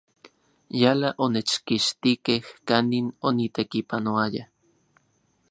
Yala onechkixtikej kanin onitekipanoaya.